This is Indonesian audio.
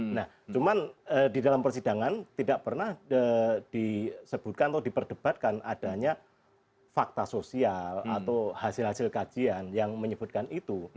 nah cuman di dalam persidangan tidak pernah disebutkan atau diperdebatkan adanya fakta sosial atau hasil hasil kajian yang menyebutkan itu